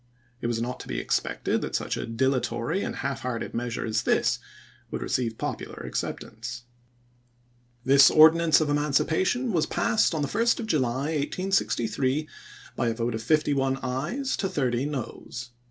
It was not to be expected that such a dilatory and half hearted measure as this would receive popular acceptance. This ordinance of emancipation was passed on the 1st of July, 1863, by a vote of fifty one ayes ' *^tion"^ to thirty noes.